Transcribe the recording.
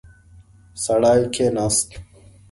سړی کېناست.